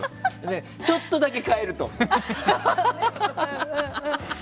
ちょっとだけ変えると思う。